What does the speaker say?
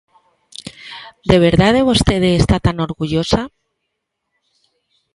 ¿De verdade vostede está tan orgullosa?